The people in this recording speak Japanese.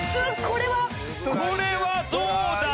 これはどうだ？